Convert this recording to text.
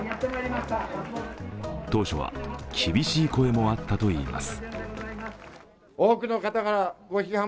当初は、厳しい声もあったといいます。